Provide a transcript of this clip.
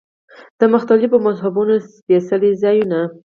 د مختلفو مذهبونو سپېڅلي ځایونه.